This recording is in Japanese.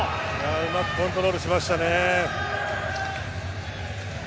うまくコントロールしましたね。